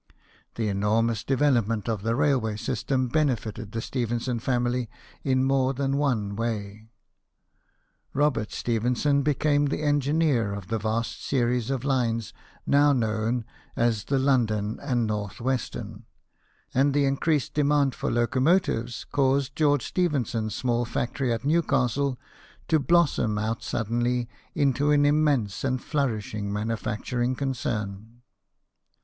The enormous development of the railway system benefited the Stephenson family in more than one way. Robert Stephenson became the 56 BIOGRAPHIES OF WORKING MEN. engineer of the vast series of lines now known as the London and North Western ; and the increased demand for locomotives caused George Stephenson's small factory at Newcastle to blossom out suddenly into an immense and flourishing manufacturing concern.